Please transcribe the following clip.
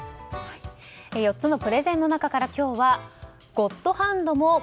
４つのプレゼンの中から今日はゴッドハンドも